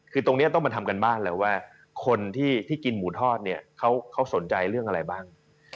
คือตรงนี้ต้องมาทำการบ้านแล้วว่าคนที่กินหมูทอดเนี่ยเขาสนใจเรื่องอะไรบ้าง